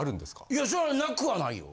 いやそりゃなくはないよ。